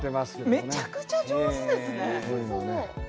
めちゃくちゃ上手ですね。